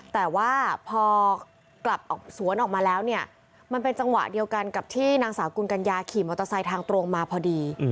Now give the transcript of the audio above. แต่ว่าพอกลับสวนออกมาแล้วเนี่ยมันเป็นจังหวะเดียวกันกับที่นางสาวกุลกัญญาขี่มอเตอร์ไซค์ทางตรงมาพอดี